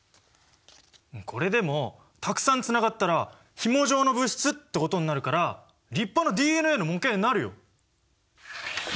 これでもたくさんつながったらひも状の物質ってことになるから立派なＤＮＡの模型になるよ。